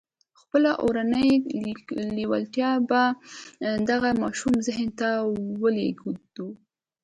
خپله اورنۍ لېوالتیا به د دغه ماشوم ذهن ته ولېږدوم.